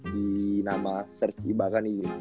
di nama serge ibaka nih